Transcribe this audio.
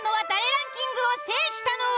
ランキングを制したのは？